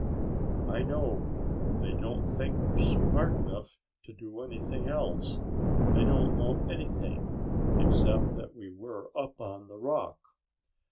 "I know, but they don't think you're smart enough to do anything else. They don't know anything except that we were up on the rock."